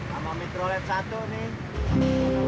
sama mitrolet satu nih